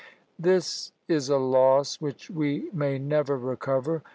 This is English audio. This is a loss which we may never recover.